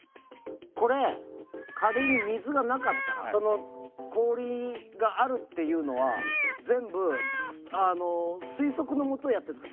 これ仮に水がなかったら氷があるっていうのは全部推測のもとやってるんですか？